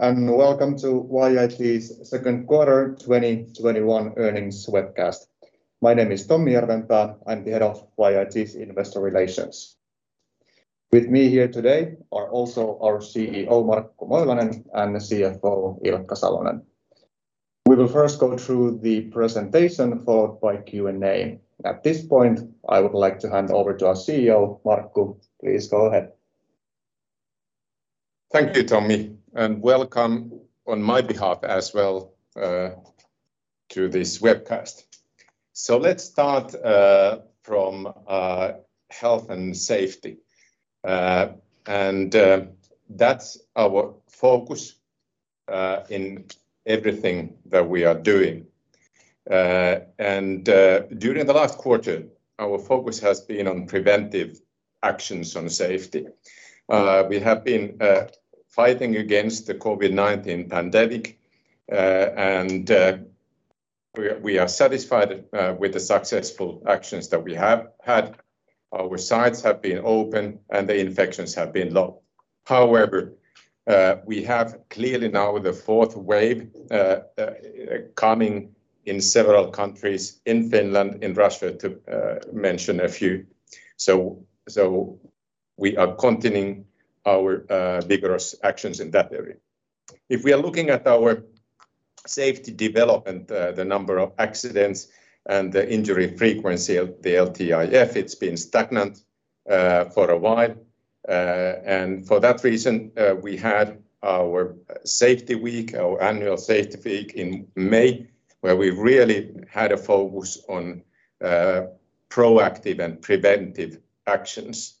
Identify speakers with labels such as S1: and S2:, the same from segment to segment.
S1: Welcome to YIT's second quarter 2021 earnings webcast. My name is Tommi Järvenpää. I'm the Head of YIT's Investor Relations. With me here today are also our CEO, Markku Moilanen, and the CFO, Ilkka Salonen. We will first go through the presentation, followed by Q&A. At this point, I would like to hand over to our CEO, Markku. Please go ahead.
S2: Thank you, Tommi, welcome on my behalf as well to this webcast. Let's start from health and safety. That's our focus in everything that we are doing. During the last quarter, our focus has been on preventive actions on safety. We have been fighting against the COVID-19 pandemic, and we are satisfied with the successful actions that we have had. Our sites have been open, and the infections have been low. However, we have clearly now the fourth wave coming in several countries, in Finland, in Russia, to mention a few. We are continuing our vigorous actions in that area. If we are looking at our safety development, the number of accidents and the injury frequency of the LTIF, it's been stagnant for a while. For that reason, we had our safety week, our annual safety week in May, where we really had a focus on proactive and preventive actions.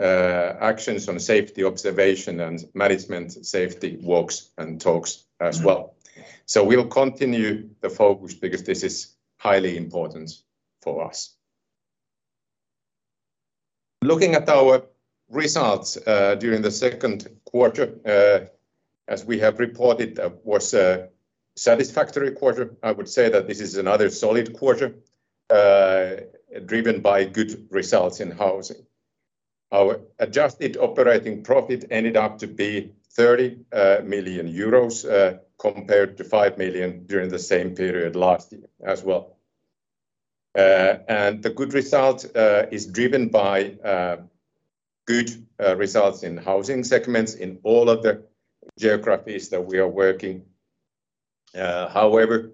S2: Actions on safety observation and management safety walks and talks as well. We will continue the focus because this is highly important for us. Looking at our results during the second quarter, as we have reported, was a satisfactory quarter. I would say that this is another solid quarter, driven by good results in housing. Our adjusted operating profit ended up to be 30 million euros, compared to 5 million during the same period last year as well. The good result is driven by good results in housing segments in all of the geographies that we are working. However,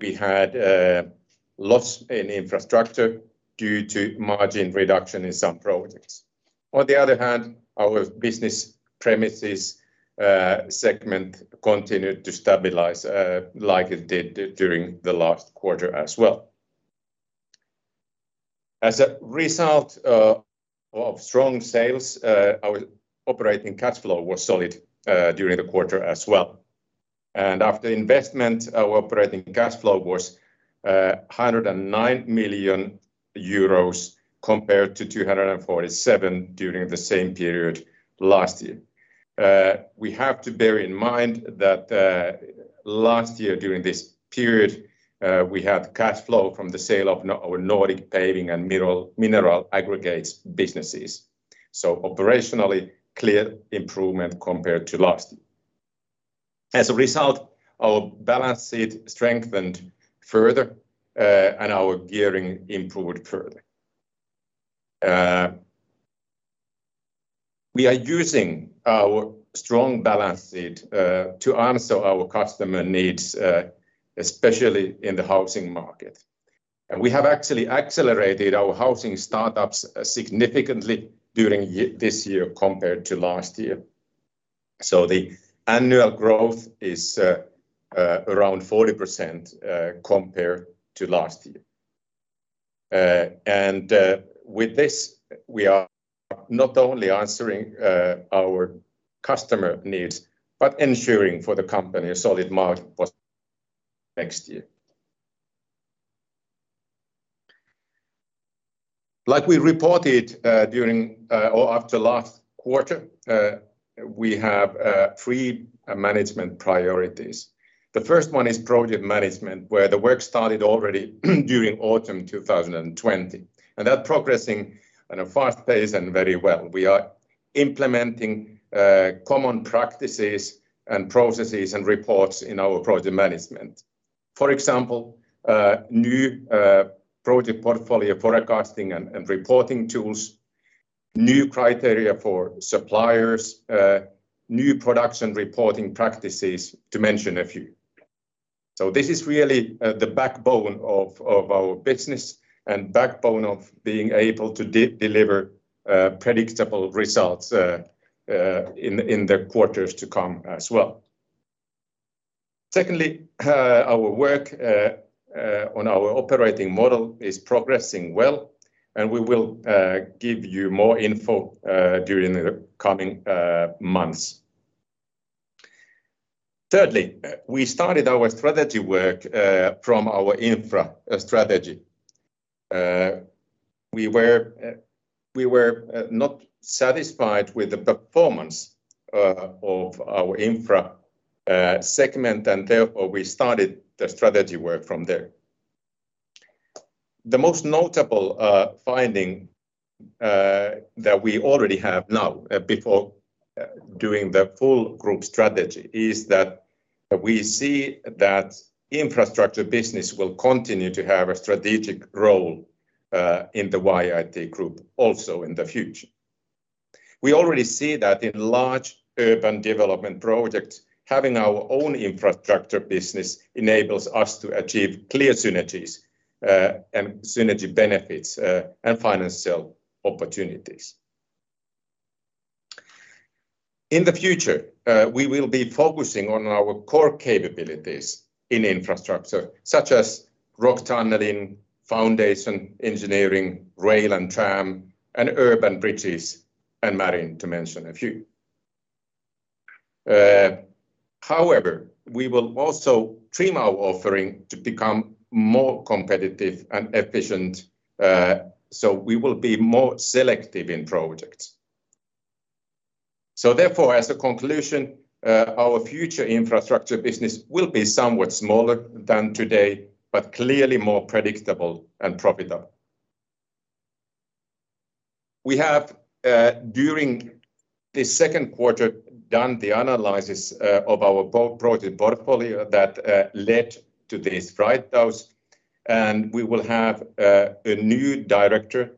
S2: we had a loss in Infrastructure due to margin reduction in some projects. On the other hand, our Business Premises segment continued to stabilize, like it did during the last quarter as well. As a result of strong sales, our operating cash flow was solid during the quarter as well. After investment, our operating cash flow was 109 million euros compared to 247 million during the same period last year. We have to bear in mind that last year during this period, we had cash flow from the sale of our Nordic paving and mineral aggregates businesses. Operationally, clear improvement compared to last year. As a result, our balance sheet strengthened further, and our gearing improved further. We are using our strong balance sheet to answer our customer needs, especially in the housing market. We have actually accelerated our housing startups significantly during this year compared to last year. The annual growth is around 40% compared to last year. With this, we are not only answering our customer needs, but ensuring for the company a solid market for next year. Like we reported after last quarter, we have three management priorities. The first one is project management, where the work started already during autumn 2020. That progressing on a fast pace and very well. We are implementing common practices and processes and reports in our project management. For example, new project portfolio forecasting and reporting tools, new criteria for suppliers, new production reporting practices, to mention a few. This is really the backbone of our business and backbone of being able to deliver predictable results in the quarters to come as well. Secondly, our work on our operating model is progressing well, and we will give you more info during the coming months. Thirdly, we started our strategy work from our infra strategy. We were not satisfied with the performance of our Infrastructure segment, and therefore, we started the strategy work from there. The most notable finding that we already have now before doing the full Group strategy is that we see that infrastructure business will continue to have a strategic role in the YIT Group also in the future. We already see that in large urban development projects, having our own infrastructure business enables us to achieve clear synergies and synergy benefits and financial opportunities. In the future, we will be focusing on our core capabilities in infrastructure, such as rock tunneling, foundation engineering, rail and tram, and urban bridges and marine, to mention a few. However, we will also trim our offering to become more competitive and efficient, so we will be more selective in projects. As a conclusion, our future infrastructure business will be somewhat smaller than today, but clearly more predictable and profitable. We have, during the second quarter, done the analysis of our project portfolio that led to this right house, and we will have a new director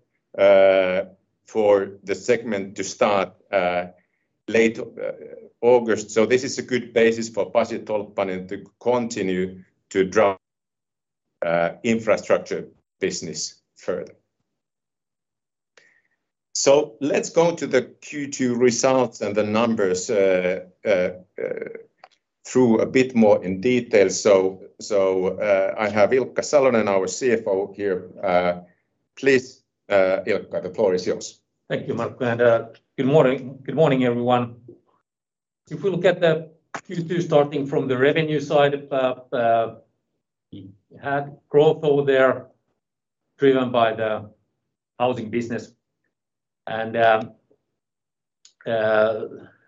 S2: for the segment to start late August. This is a good basis for Pasi Tolppanen to continue to drive infrastructure business further. Let's go to the Q2 results and the numbers through a bit more in detail. I have Ilkka Salonen, our CFO here. Please, Ilkka, the floor is yours.
S3: Thank you, Markku. Good morning, everyone. If we look at the Q2, starting from the revenue side, we had growth over there driven by the housing business.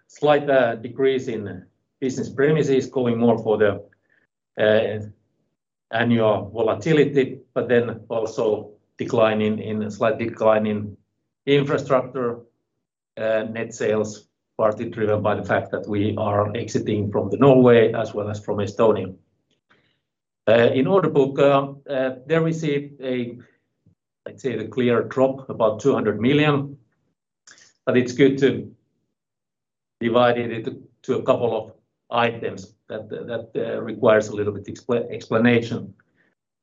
S3: Slight decrease in Business Premises going more for the annual volatility. Also slight decline in Infrastructure net sales, partly driven by the fact that we are exiting from Norway as well as from Estonia. In order book, there we see a clear drop, about 200 million. It's good to divide it into a couple of items that requires a little bit explanation.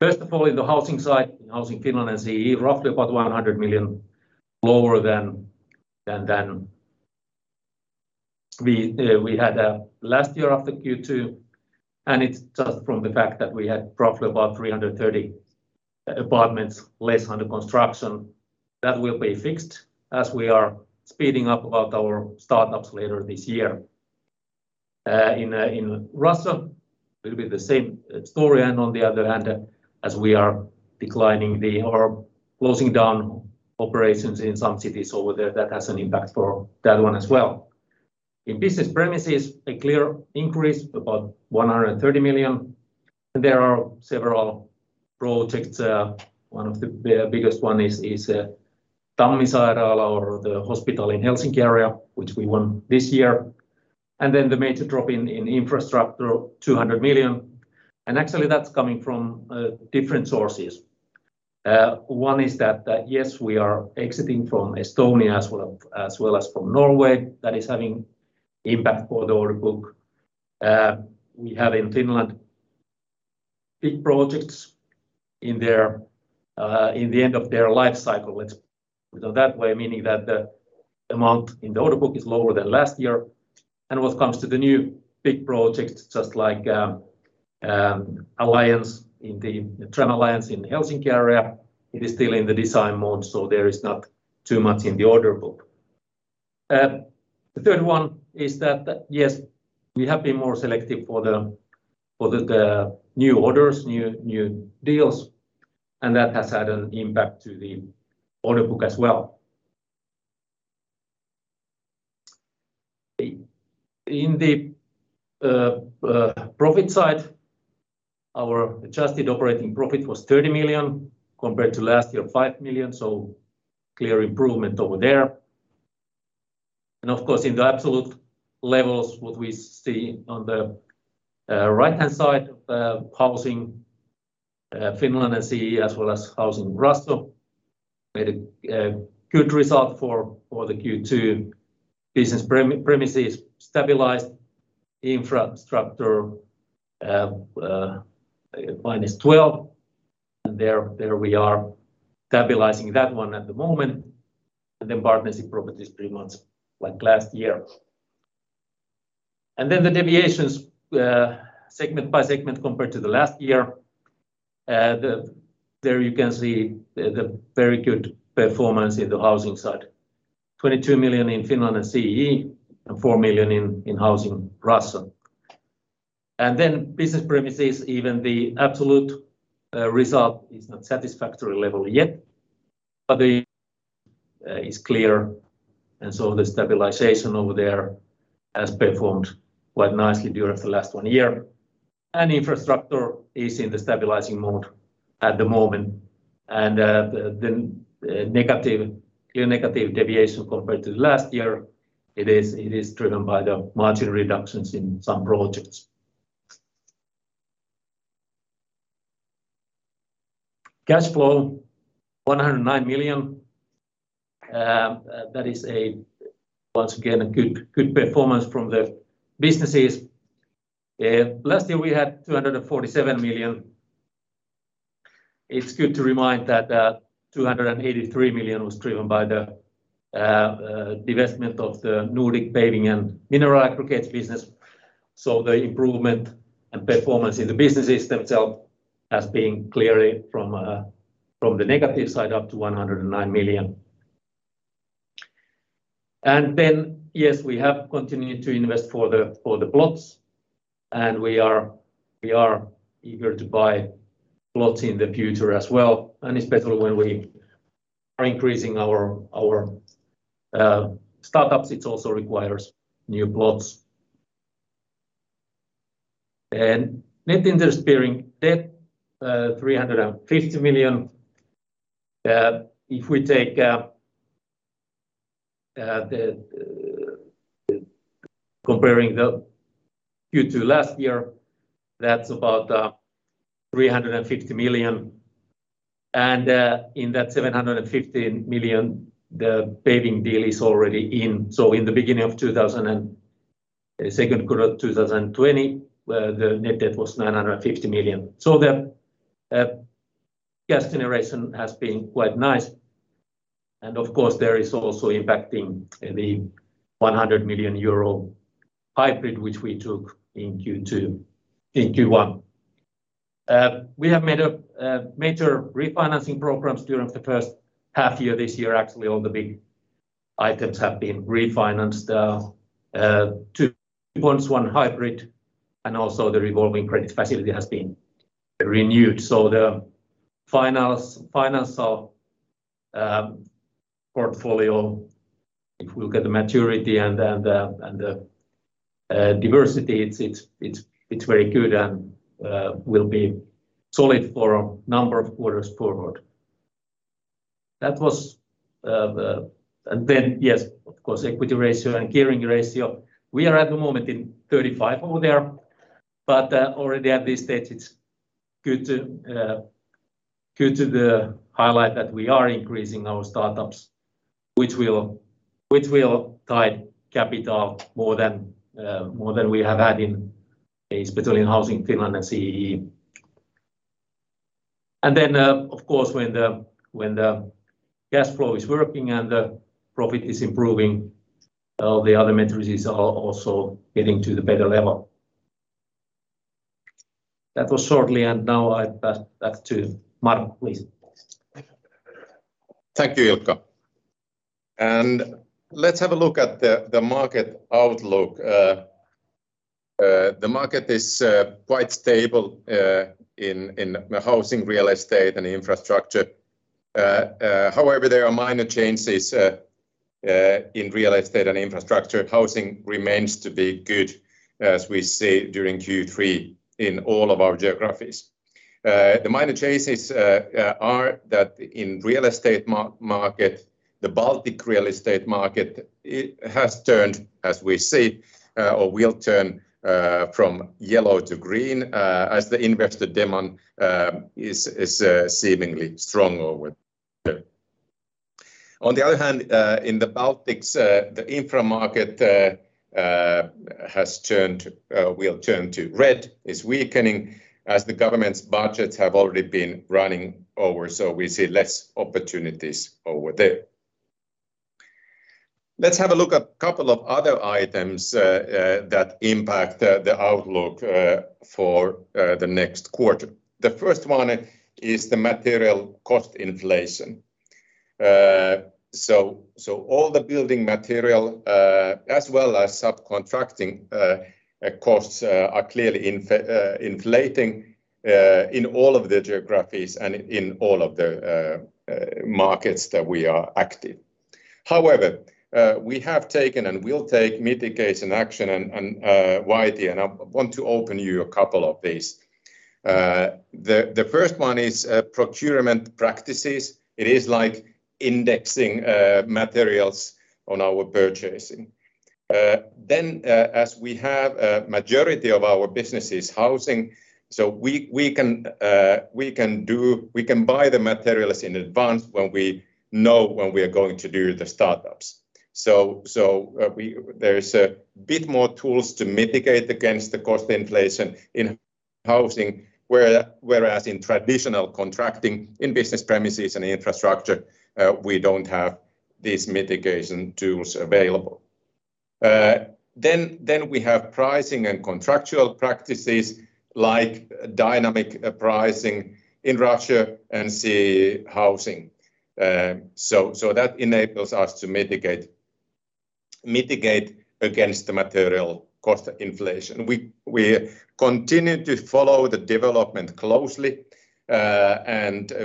S3: First of all, in the housing side, in Housing Finland and CEE, roughly about 100 million lower than we had last year after Q2. It's just from the fact that we had roughly about 330 apartments less under construction. That will be fixed as we are speeding up our startups later this year. In Russia, it will be the same story on the other hand, as we are declining or closing down operations in some cities over there, that has an impact for that one as well. In Business Premises, a clear increase of about 130 million. There are several projects. One of the biggest one is Tammisairaala or the hospital in Helsinki area, which we won this year. Then the major drop in Infrastructure, 200 million. Actually, that's coming from different sources. One is that, yes, we are exiting from Estonia as well as from Norway. That is having impact for the order book. We have in Finland big projects in the end of their life cycle. Let's put it that way, meaning that the amount in the order book is lower than last year. What comes to the new big projects, just like the tram alliance in the Helsinki area, it is still in the design mode, so there is not too much in the order book. The third one is that, yes, we have been more selective for the new orders, new deals, and that has had an impact to the order book as well. In the profit side, our adjusted operating profit was 30 million compared to last year, 5 million. Clear improvement over there. Of course, in the absolute levels, what we see on the right-hand side, the Housing Finland and CEE, as well as Housing Russia, made a good result for the Q2. Business Premises stabilized. Infrastructure, EUR -12. There we are stabilizing that one at the moment. Partnership Properties pretty much like last year. The deviations segment by segment compared to the last year. There you can see the very good performance in the housing side, 22 million in Housing Finland and CEE, and 4 million in Housing Russia. Business Premises, even the absolute result is not satisfactory level yet, but the is clear, the stabilization over there has performed quite nicely during the last one year. Infrastructure is in the stabilizing mode at the moment. Clear negative deviation compared to last year, it is driven by the margin reductions in some projects. Cash flow 109 million. That is once again, a good performance from the businesses. Last year we had 247 million. It's good to remind that 283 million was driven by the divestment of the Nordic paving and mineral aggregates business. The improvement and performance in the businesses themselves as being clearly from the negative side up to 109 million. We have continued to invest for the plots, and we are eager to buy plots in the future as well, and especially when we are increasing our startups, it also requires new plots. Net interest-bearing debt, 350 million. If we take comparing the Q2 last year, that's about 350 million. In that 750 million, the Paving deal is already in. In the second quarter 2020, the net debt was 950 million. The cash generation has been quite nice. There is also impacting the 100 million euro hybrid, which we took in Q1. We have made major refinancing programs during the first half-year this year. All the big items have been refinanced. Two points, one hybrid, and also the revolving credit facility has been renewed. The financial portfolio, if we look at the maturity and the diversity, it's very good and will be solid for a number of quarters forward. Yes, of course, equity ratio and gearing ratio, we are at the moment in 35 over there, but already at this stage, it's good to highlight that we are increasing our startups, which will tie capital more than we have had in especially in Housing Finland and CEE. Of course, when the cash flow is working and the profit is improving, all the other metrics are also getting to the better level. That was shortly. Now I pass back to Markku, please.
S2: Thank you, Ilkka. Let's have a look at the market outlook. The market is quite stable in the housing real estate and infrastructure. However, there are minor changes in real estate and infrastructure. Housing remains to be good, as we see during Q3 in all of our geographies. The minor changes are that in real estate market, the Baltic real estate market has turned, as we see, or will turn from yellow to green, as the investor demand is seemingly strong over there. On the other hand, in the Baltics, the infra market will turn to red. It's weakening as the government's budgets have already been running over, so we see less opportunities over there. Let's have a look at a couple of other items that impact the outlook for the next quarter. The first one is the material cost inflation. All the building material, as well as subcontracting costs, are clearly inflating in all of the geographies and in all of the markets that we are active. We have taken and will take mitigation action and widely, and I want to open you a couple of these. The first one is procurement practices. It is like indexing materials on our purchasing. As we have a majority of our business is Housing, we can buy the materials in advance when we know when we are going to do the startups. There is a bit more tools to mitigate against the cost inflation in Housing, whereas in traditional contracting, in Business Premises and Infrastructure, we don't have these mitigation tools available. We have pricing and contractual practices like dynamic pricing in Russia and CEE Housing. That enables us to mitigate against the material cost inflation. We continue to follow the development closely.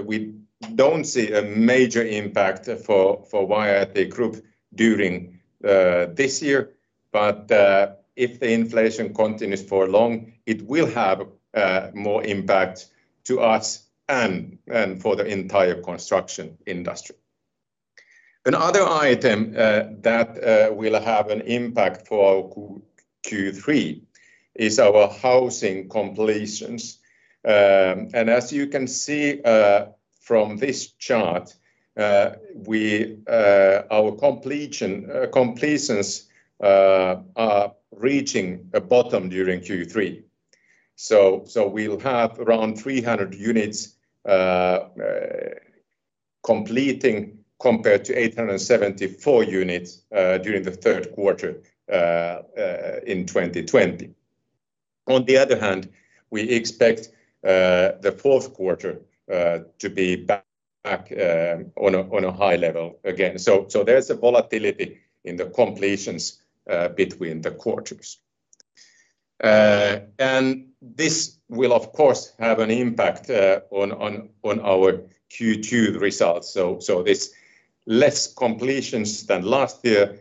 S2: We don't see a major impact for YIT Group during this year. If the inflation continues for long, it will have more impact to us and for the entire construction industry. Another item that will have an impact for our Q3 is our housing completions. As you can see from this chart, our completions are reaching a bottom during Q3. We'll have around 300 units completing compared to 874 units during the third quarter in 2020. On the other hand, we expect the fourth quarter to be back on a high level again. There's a volatility in the completions between the quarters. This will, of course, have an impact on our Q2 results. This less completions than last year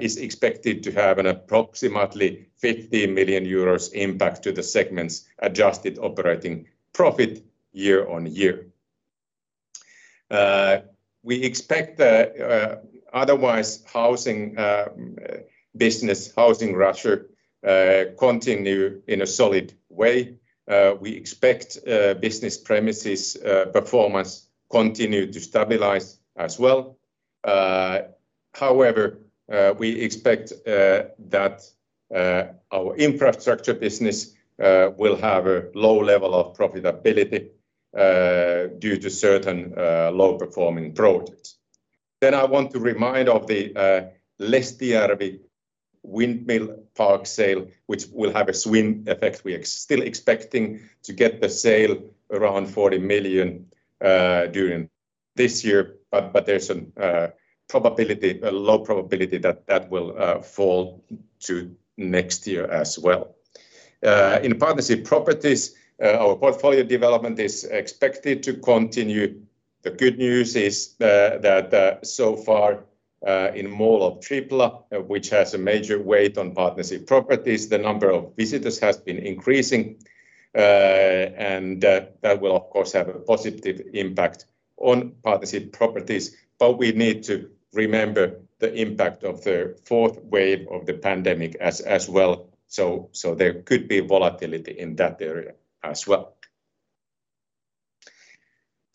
S2: is expected to have an approximately 50 million euros impact to the segment's adjusted operating profit year on year. We expect the otherwise business Housing Russia continue in a solid way. We expect Business Premises performance continue to stabilize as well. However, we expect that our infrastructure business will have a low level of profitability due to certain low-performing projects. I want to remind of the Lestijärvi Windmill Park sale, which will have a swing effect. We are still expecting to get the sale around 40 million during this year. There's a low probability that that will fall to next year as well. In Partnership Properties, our portfolio development is expected to continue. The good news is that so far, in Mall of Tripla, which has a major weight on Partnership Properties, the number of visitors has been increasing. That will, of course, have a positive impact on Partnership Properties. We need to remember the impact of the fourth wave of the pandemic as well. There could be volatility in that area as well.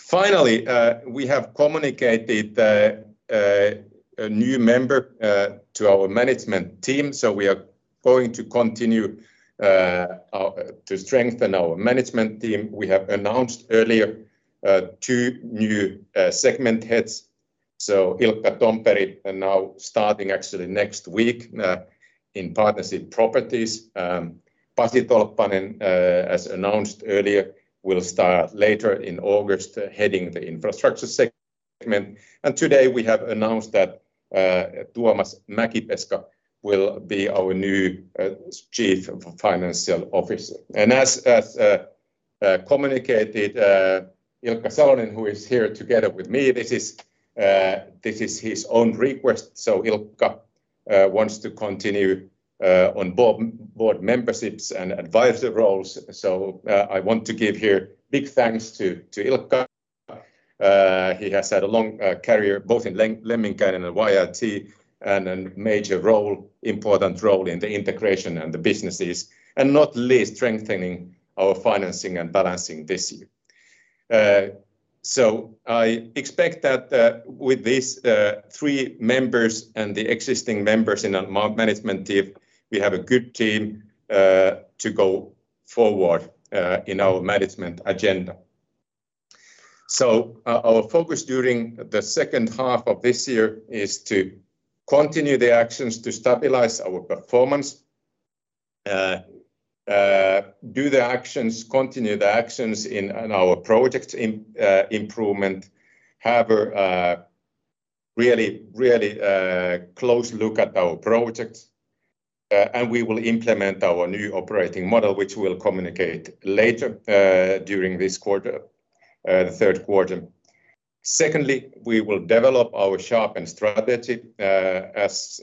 S2: Finally, we have communicated a new member to our management team. We are going to continue to strengthen our management team. We have announced earlier two new segment heads. Ilkka Tomperi are now starting actually next week in Partnership Properties. Pasi Tolppanen, as announced earlier, will start later in August, heading the Infrastructure segment. Today we have announced that Tuomas Mäkipeska will be our new Chief Financial Officer. As communicated, Ilkka Salonen, who is here together with me, this is his own request. Ilkka wants to continue on board memberships and advisor roles. I want to give here big thanks to Ilkka. He has had a long career, both in Lemminkäinen and YIT, and a major important role in the integration and the businesses, and not least, strengthening our financing and balancing this year. I expect that with these three members and the existing members in management team, we have a good team to go forward in our management agenda. Our focus during the second half of this year is to continue the actions to stabilize our performance. Continue the actions in our project improvement, have a really close look at our projects, and we will implement our new operating model, which we'll communicate later during this third quarter. Secondly, we will develop our sharpened strategy. As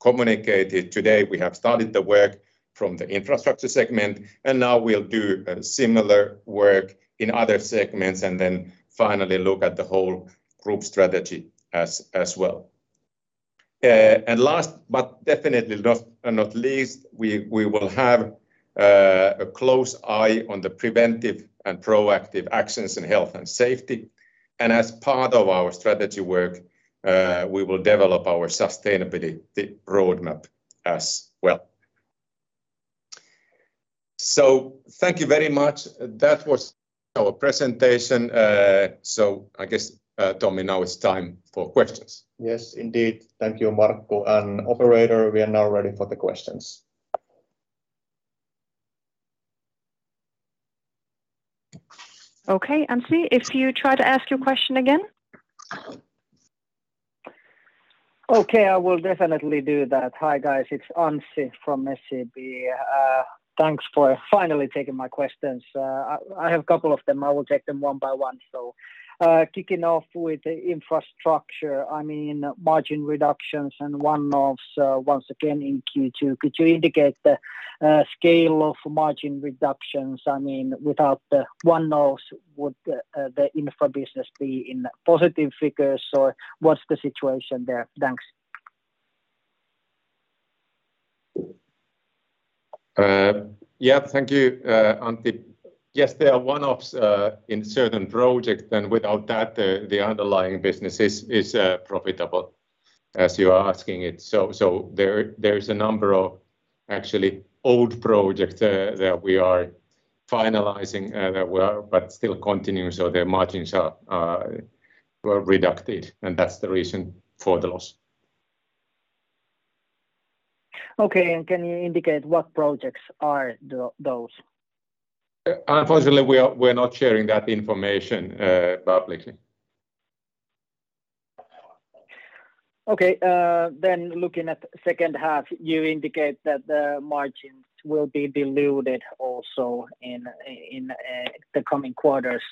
S2: communicated today, we have started the work from the Infrastructure segment, and now we'll do similar work in other segments and then finally look at the whole group strategy as well. Last, but definitely not least, we will have a close eye on the preventive and proactive actions in health and safety. As part of our strategy work, we will develop our sustainability roadmap as well. Thank you very much. That was our presentation. I guess, Tommi, now it's time for questions.
S1: Yes, indeed. Thank you, Markku. Operator, we are now ready for the questions.
S4: Okay, Anssi, if you try to ask your question again.
S5: Okay, I will definitely do that. Hi, guys. It's Anssi from SEB. Thanks for finally taking my questions. I have a couple of them. I will take them one by one. Kicking off with the infrastructure, margin reductions and one-offs once again in Q2. Could you indicate the scale of margin reductions? Without the one-offs, would the infra business be in positive figures, or what's the situation there? Thanks.
S2: Yeah. Thank you, Anssi. Yes, there are one-offs in certain projects, and without that, the underlying business is profitable as you are asking it. There is a number of actually old projects that we are finalizing but still continuing, so their margins were reduced, and that's the reason for the loss.
S5: Okay, can you indicate what projects are those?
S2: Unfortunately, we're not sharing that information publicly.
S5: Okay. Looking at the second half, you indicate that the margins will be diluted also in the coming quarters.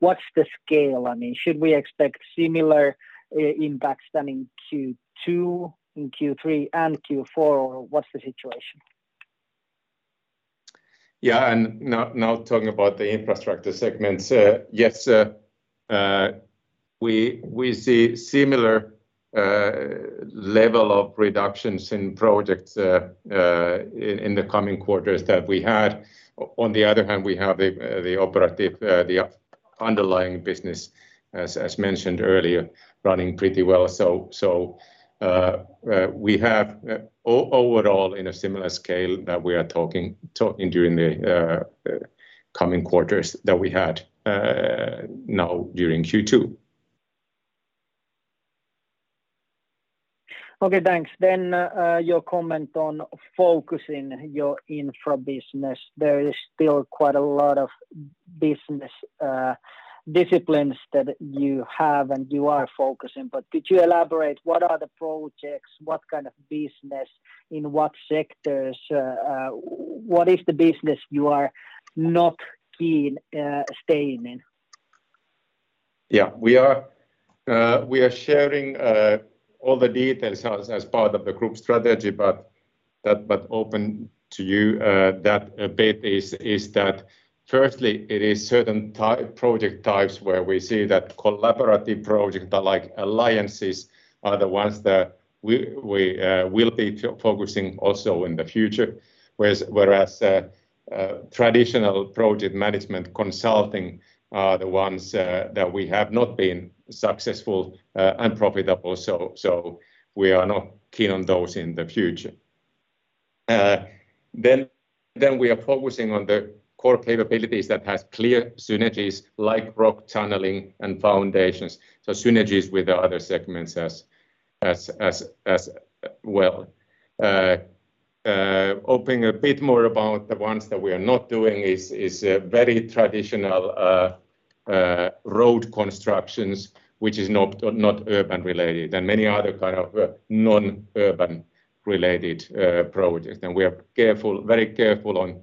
S5: What's the scale? Should we expect similar impact than in Q2, in Q3, and Q4, or what's the situation?
S2: Yeah, now talking about the infrastructure segments. Yes, we see similar level of reductions in projects in the coming quarters that we had. On the other hand, we have the operative, the underlying business, as mentioned earlier, running pretty well. We have overall in a similar scale that we are talking during the coming quarters that we had now during Q2.
S5: Okay, thanks. Your comment on focusing your infra business. There is still quite a lot of business disciplines that you have and you are focusing. Could you elaborate what are the projects, what kind of business, in what sectors? What is the business you are not keen staying in?
S2: Yeah. We are sharing all the details as part of the group strategy. Open to you that a bit is that firstly, it is certain project types where we see that collaborative projects like alliances are the ones that we'll be focusing also in the future, whereas traditional project management consulting are the ones that we have not been successful and profitable. We are not keen on those in the future. We are focusing on the core capabilities that has clear synergies like rock tunneling and foundations, so synergies with the other segments as well. Opening a bit more about the ones that we are not doing is very traditional road constructions, which is not urban-related, and many other kind of non-urban related projects. We are very careful on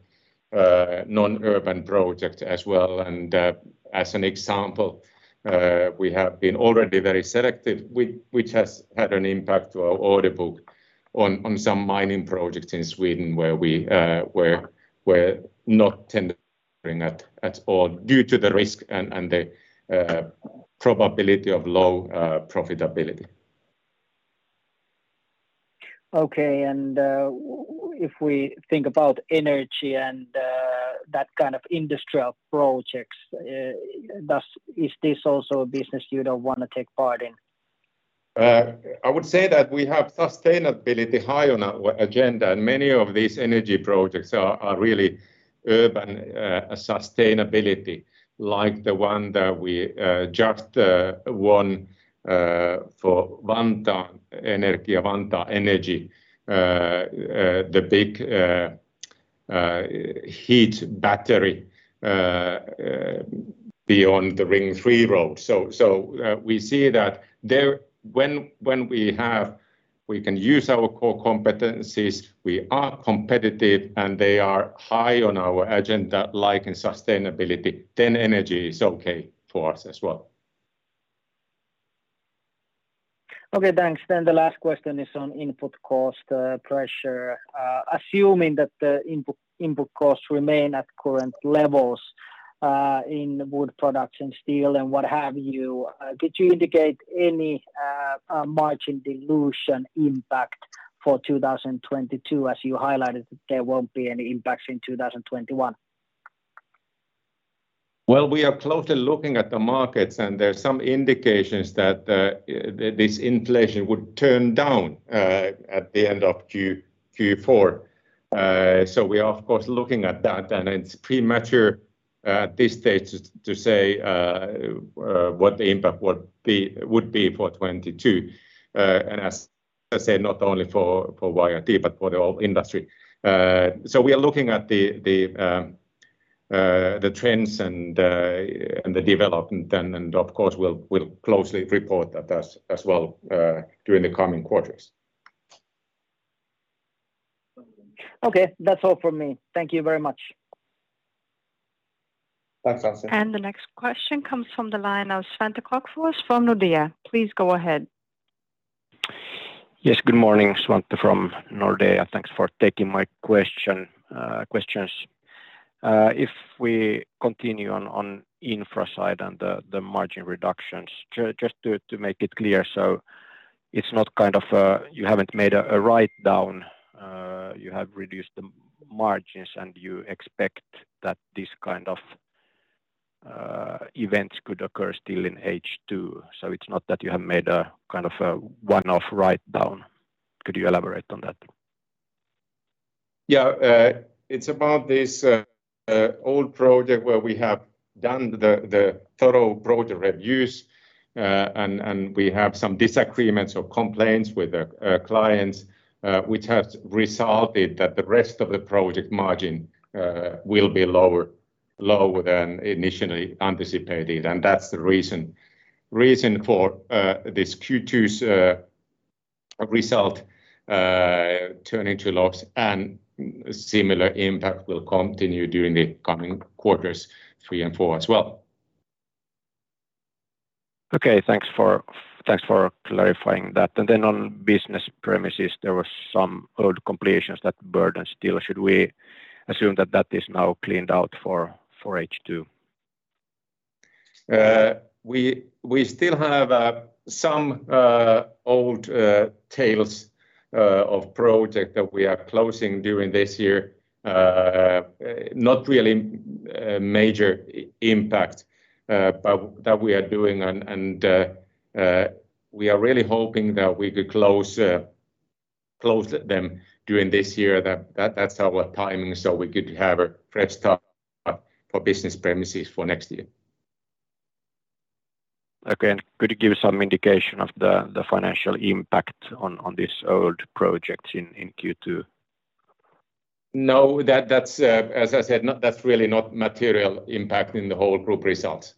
S2: non-urban projects as well. As an example, we have been already very selective, which has had an impact to our order book on some mining projects in Sweden, where we're not tendering at all due to the risk and the probability of low profitability.
S5: Okay, if we think about energy and that kind of industrial projects, is this also a business you don't want to take part in?
S2: I would say that we have sustainability high on our agenda, and many of these energy projects are really urban sustainability, like the one that we just won for Vantaa Energy, the big heat battery beyond the Ring III road. We see that when we can use our core competencies, we are competitive, and they are high on our agenda, like in sustainability, then energy is okay for us as well.
S5: Okay, thanks. The last question is on input cost pressure. Assuming that the input costs remain at current levels in wood products and steel and what have you, could you indicate any margin dilution impact for 2022 as you highlighted that there won't be any impacts in 2021?
S2: Well, we are closely looking at the markets, and there's some indications that this inflation would turn down at the end of Q4. We are of course looking at that, and it's premature at this stage to say what the impact would be for 2022. Let's say not only for YIT, but for the whole industry. We are looking at the trends and the development then, and of course, we'll closely report that as well during the coming quarters.
S5: Okay. That's all from me. Thank you very much.
S2: Thanks, Anssi.
S4: The next question comes from the line of Svante Krokfors from Nordea. Please go ahead.
S6: Yes, good morning, Svante from Nordea. Thanks for taking my questions. If we continue on infra side and the margin reductions, just to make it clear, you haven't made a write-down. You have reduced the margins, you expect that this kind of events could occur still in H2. It's not that you have made a one-off write-down. Could you elaborate on that?
S2: Yeah. It's about this old project where we have done the thorough project reviews, and we have some disagreements or complaints with the clients, which has resulted that the rest of the project margin will be lower than initially anticipated. That's the reason for this Q2's result turning to loss, and similar impact will continue during the coming quarters three and four as well.
S6: Okay. Thanks for clarifying that. On Business Premises, there was some old completions that burden still. Should we assume that that is now cleaned out for H2?
S2: We still have some old tails of project that we are closing during this year. Not really a major impact, but that we are doing and we are really hoping that we could close them during this year. That's our timing, so we could have a fresh start for Business Premises for next year.
S6: Okay. Could you give some indication of the financial impact on this old project in Q2?
S2: No. As I said, that's really not material impact in the whole group results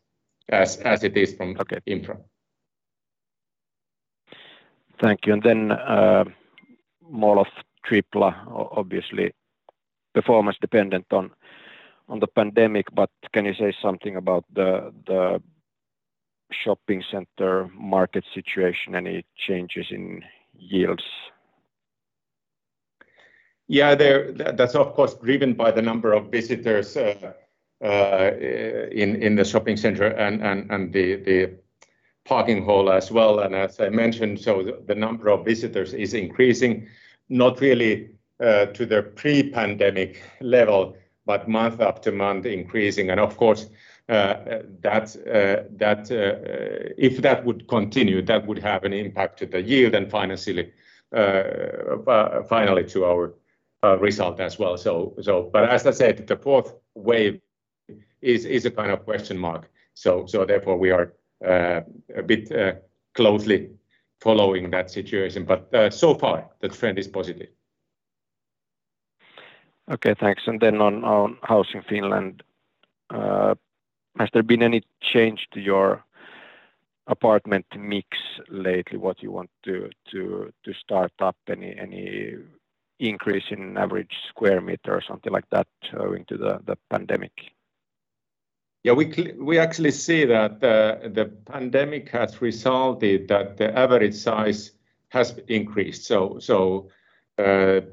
S2: as it is.
S6: Okay
S2: infra.
S6: Thank you. Mall of Tripla. Obviously, performance dependent on the pandemic, but can you say something about the shopping center market situation? Any changes in yields?
S2: That's of course driven by the number of visitors in the shopping center and the parking hall as well. As I mentioned, the number of visitors is increasing, not really to their pre-pandemic level, but month after month increasing. Of course, if that would continue, that would have an impact to the yield and finally to our result as well. As I said, the fourth wave is a kind of question mark, so therefore we are a bit closely following that situation. So far, the trend is positive.
S6: Okay. Thanks. Then on Housing Finland, has there been any change to your apartment mix lately? What you want to start up? Any increase in average square meter or something like that during the pandemic?
S2: Yeah. We actually see that the pandemic has resulted that the average size has increased.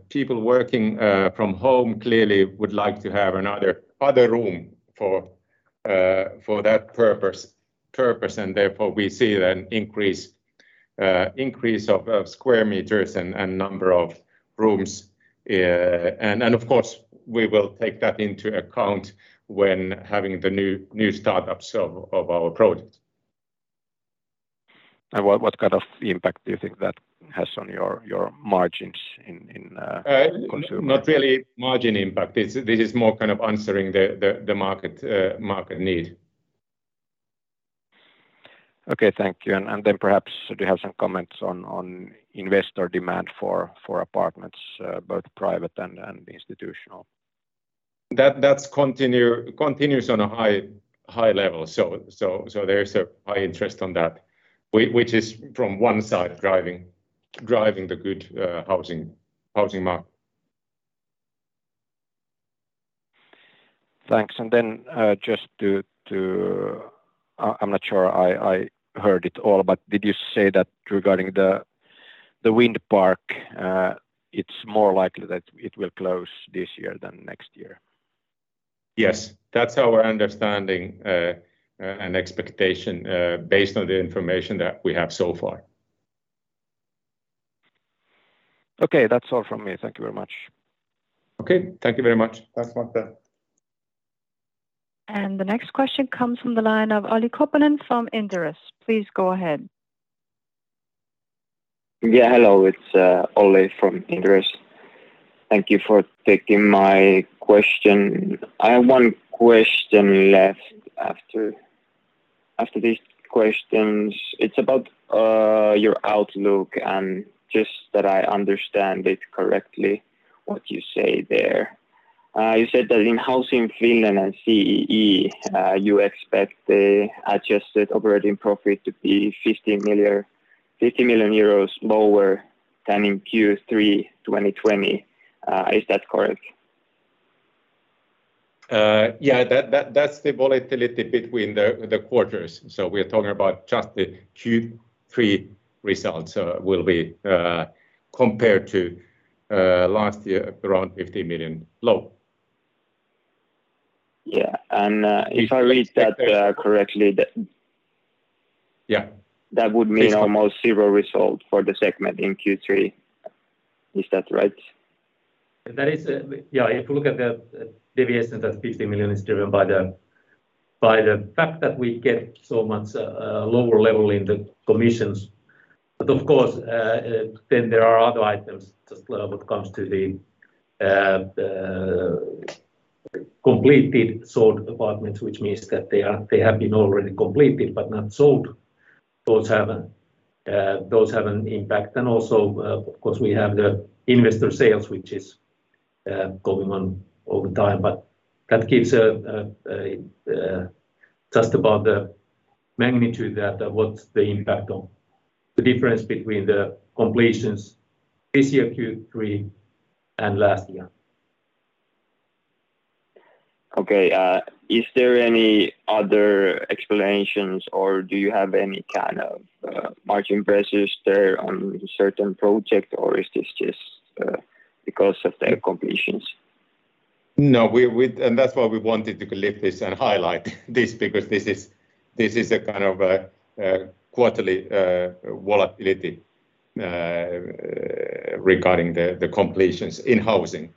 S2: People working from home clearly would like to have another room for that purpose, and therefore we see an increase of square meters and number of rooms. Of course, we will take that into account when having the new startups of our projects.
S6: What kind of impact do you think that has on your margins in consumer?
S2: Not really margin impact. This is more kind of answering the market need.
S6: Okay. Thank you. Perhaps, do you have some comments on investor demand for apartments, both private and institutional?
S2: That continues on a high level. There's a high interest on that, which is from one side driving the good housing market.
S6: Thanks. I'm not sure I heard it all, but did you say that regarding the wind park, it's more likely that it will close this year than next year?
S2: Yes. That's our understanding and expectation based on the information that we have so far.
S6: Okay. That's all from me. Thank you very much.
S2: Okay. Thank you very much.
S4: The next question comes from the line of Olli Koponen from Inderes. Please go ahead.
S7: Yeah. Hello, it's Olli from Inderes. Thank you for taking my question. I have one question left after these questions, it's about your outlook and just that I understand it correctly, what you say there. You said that in Housing Finland and CEE, you expect the adjusted operating profit to be 50 million lower than in Q3 2020. Is that correct?
S2: Yeah. That's the volatility between the quarters. We're talking about just the Q3 results will be compared to last year, around 50 million low.
S7: Yeah. If I read that correctly.
S2: Yeah
S7: that would mean almost zero result for the segment in Q3. Is that right?
S2: Yeah. If you look at the deviation, that 50 million is driven by the fact that we get so much lower level in the commissions. Of course, there are other items, just when it comes to the completed sold apartments, which means that they have been already completed but not sold. Those have an impact. Also, of course, we have the investor sales, which is going on all the time. That gives just about the magnitude that what's the impact on the difference between the completions this year, Q3, and last year.
S7: Okay. Is there any other explanations or do you have any kind of margin pressures there on certain projects, or is this just because of the completions?
S2: No. That's why we wanted to lift this and highlight this because this is a kind of quarterly volatility regarding the completions in housing.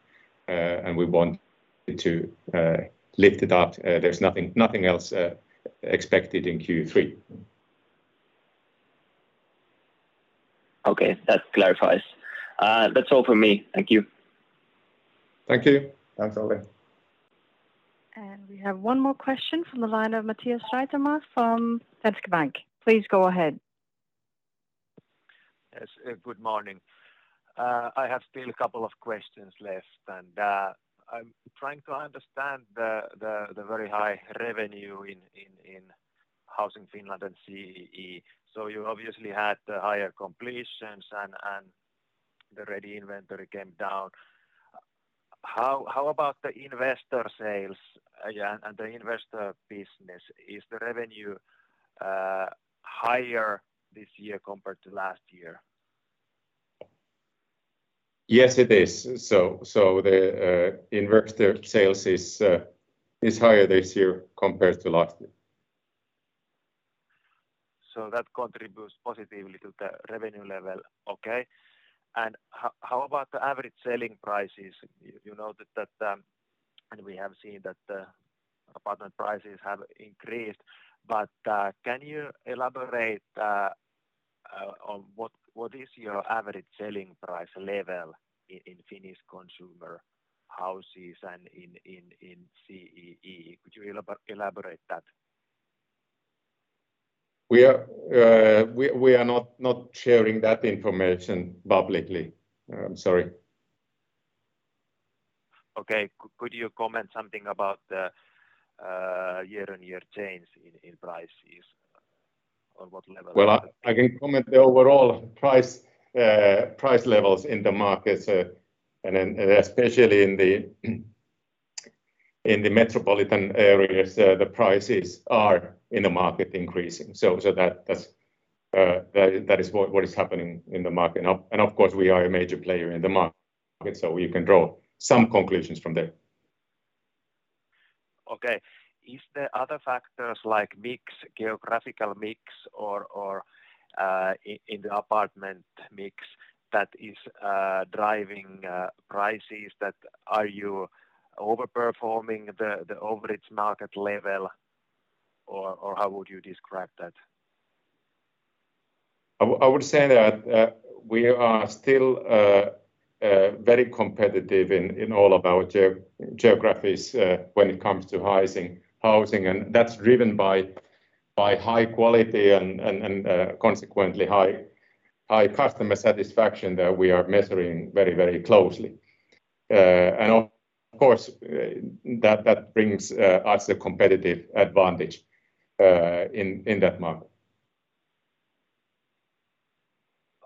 S2: We wanted to lift it up. There's nothing else expected in Q3.
S7: Okay. That clarifies. That's all for me. Thank you.
S2: Thank you. Thanks, Olli.
S4: We have one more question from the line of Matias Seitamäki from Nordea Bank. Please go ahead.
S8: Yes, good morning. I have still a couple of questions left, and I'm trying to understand the very high revenue in Housing Finland and CEE. You obviously had the higher completions and the ready inventory came down. How about the investor sales again, and the investor business? Is the revenue higher this year compared to last year?
S2: Yes, it is. The investor sales is higher this year compared to last year.
S8: That contributes positively to the revenue level. Okay. How about the average selling prices? You know that, and we have seen that the apartment prices have increased, but can you elaborate on what is your average selling price level in Finnish consumer houses and in CEE? Could you elaborate that?
S2: We are not sharing that information publicly. I'm sorry.
S8: Okay. Could you comment something about the year-over-year change in prices? On what level-
S2: Well, I can comment the overall price levels in the markets. Especially in the metropolitan areas, the prices are in the market increasing. That is what is happening in the market now. Of course, we are a major player in the market, so you can draw some conclusions from there.
S8: Okay. Is there other factors like mix, geographical mix, or in the apartment mix that is driving prices that are you over-performing the overage market level, or how would you describe that?
S2: I would say that we are still very competitive in all of our geographies when it comes to housing. That's driven by high quality and consequently high customer satisfaction that we are measuring very closely. Of course, that brings us a competitive advantage in that market.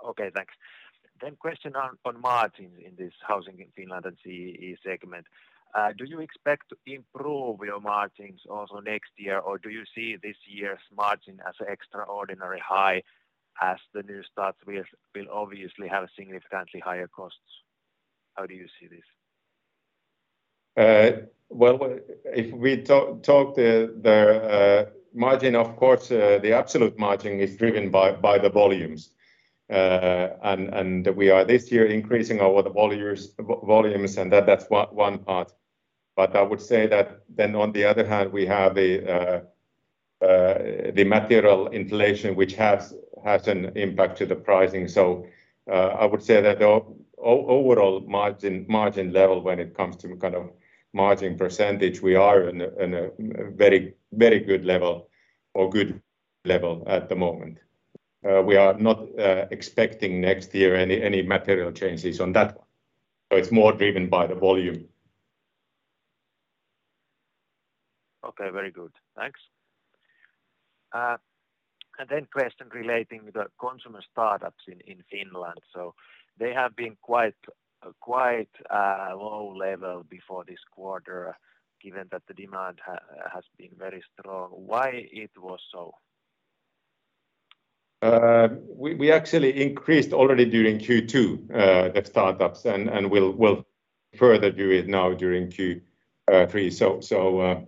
S8: Okay, thanks. Question on margins in this Housing Finland and CEE segment. Do you expect to improve your margins also next year, or do you see this year's margin as extraordinary high as the new starts will obviously have significantly higher costs? How do you see this?
S2: Well, if we talk the margin, of course, the absolute margin is driven by the volumes. We are this year increasing our volumes, and that's one part. I would say that then, on the other hand, we have the material inflation, which has an impact to the pricing. I would say that the Overall margin level when it comes to margin %, we are in a very good level or good level at the moment. We are not expecting next year any material changes on that one. It's more driven by the volume.
S8: Okay. Very good. Thanks. Question relating with the consumer startups in Finland. They have been quite low level before this quarter, given that the demand has been very strong. Why it was so?
S2: We actually increased already during Q2 the startups, and we'll further do it now during Q3.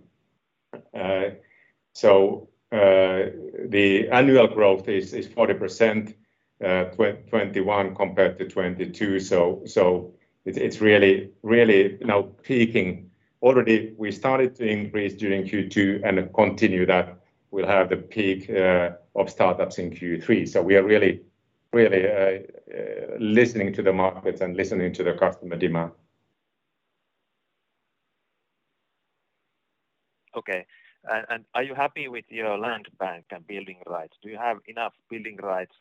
S2: The annual growth is 40% 2021 compared to 2022, so it's really now peaking. Already we started to increase during Q2 and continue that. We'll have the peak of startups in Q3. We are really listening to the markets and listening to the customer demand.
S8: Okay. Are you happy with your land bank and building rights? Do you have enough building rights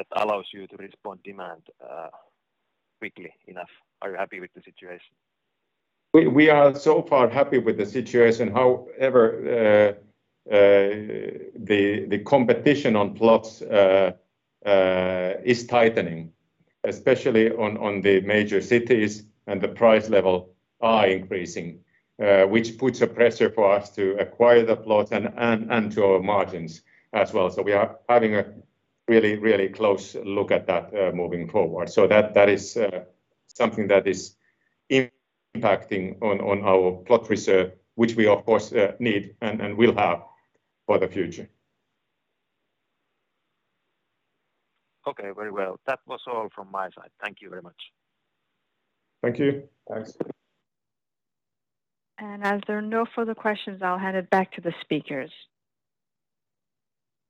S8: that allows you to respond demand quickly enough? Are you happy with the situation?
S2: We are so far happy with the situation. The competition on plots is tightening, especially on the major cities and the price level are increasing, which puts a pressure for us to acquire the plots and to our margins as well. We are having a really close look at that moving forward. That is something that is impacting on our plot reserve, which we of course need and will have for the future.
S8: Okay. Very well. That was all from my side. Thank you very much.
S2: Thank you. Thanks.
S4: As there are no further questions, I'll hand it back to the speakers.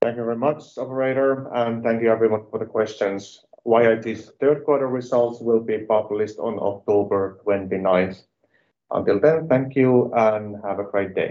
S2: Thank you very much, operator, and thank you everyone for the questions. YIT third quarter results will be published on October 29th. Until then, thank you and have a great day.